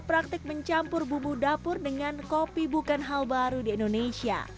praktik mencampur bumbu dapur dengan kopi bukan hal baru di indonesia